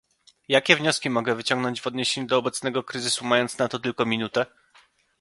Jakie wnioski mogę wyciągnąć w odniesieniu do obecnego kryzysu mając na to tylko minutę?